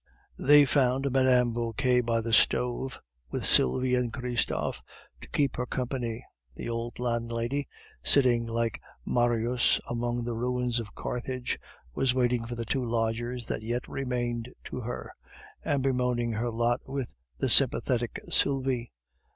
They found Mme. Vauquer by the stove, with Sylvie and Christophe to keep her company; the old landlady, sitting like Marius among the ruins of Carthage, was waiting for the two lodgers that yet remained to her, and bemoaning her lot with the sympathetic Sylvie.